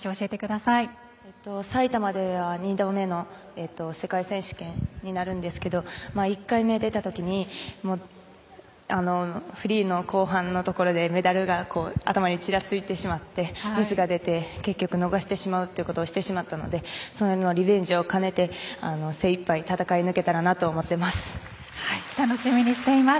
さいたまでは、２度目の世界選手権になるんですけど１回目、出た時にフリーの後半のところでメダルが頭にちらついてしまってミスが出て、結局逃してしまうということをしてしまったのでそのリベンジとかねて精一杯戦い抜けたらなと思います。